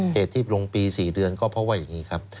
เหตุที่ลงปี๔เดือนก็เพราะว่าอย่างนี้ครับ